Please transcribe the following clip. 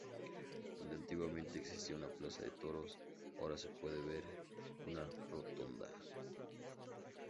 Donde antiguamente existía una "plaza de toros", ahora se puede ver una rotonda.